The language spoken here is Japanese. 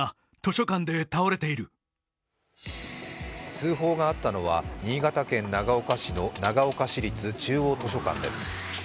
通報があったのは新潟県長岡市の長岡市立中央図書館です。